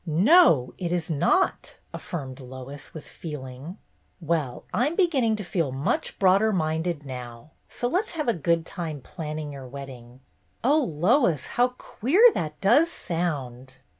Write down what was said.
"No, it 's not," affirmed Lois, with feeling. " Well, I 'm beginning to feel much broader minded now, so let 's have a good time plan ning your wedding. Oh, Lois, how queer that does sound!"